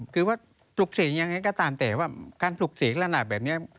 คือว่าปลุกเสกยังไงก็ตามแต่ว่าการปลุกเสกลักษณะแบบนี้